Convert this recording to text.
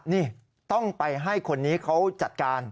นี่ต้องไปให้คนนี้เขาจัดการ